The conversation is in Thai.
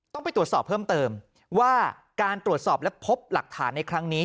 ต้องไปตรวจสอบเพิ่มเติมว่าการตรวจสอบและพบหลักฐานในครั้งนี้